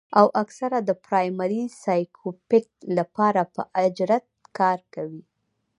او اکثر د پرائمري سايکوپېت له پاره پۀ اجرت کار کوي